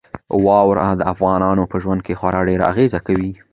واوره د افغانانو په ژوند خورا ډېره اغېزه کوي.